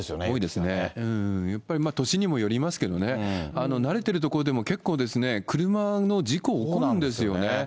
多いですね、やっぱり年にもよりますけれどもね、慣れてる所でも結構、車の事故起こるんですよね。